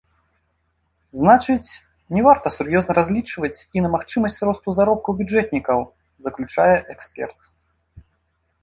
Значыць, не варта сур'ёзна разлічваць і на магчымасць росту заробкаў бюджэтнікаў, заключае эксперт.